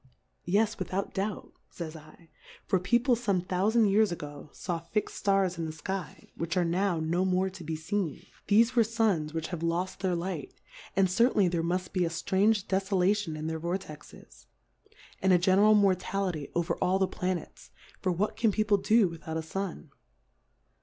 Yes, with out doubt, fays /, for People fome thou fand Years ago iaw fix'd Stars in the Sky, which are now no more to be feenj I J (5 Difcourfes on the feen; thefe were Suns which have loft their Light, and certainly there muit be a ftrange Defolation in their Vortexes, and a general Mortality over all the Planets, for what can People do with out a Sun